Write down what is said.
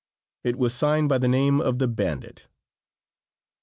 It was signed by the name of the bandit.